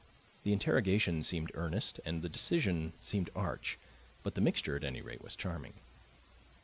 The interrogation seemed earnest and the decision seemed arch; but the mixture, at any rate, was charming.